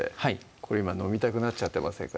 これ今飲みたくなっちゃってませんか？